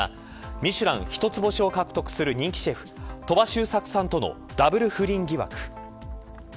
ミシュラン一つ星を獲得する人気シェフ鳥羽周作さんとのダブル不倫疑惑。